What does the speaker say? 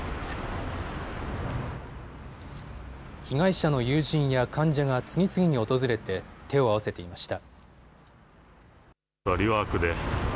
被害者の友人や患者が次々に訪れて手を合わせていました。